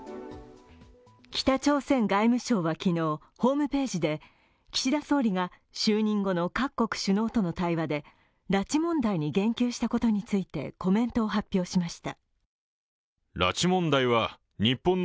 北朝鮮外務省は昨日、ホームページで岸田総理が就任後の各国首脳との対話で拉致問題に言及したことについてコメントを発表しました。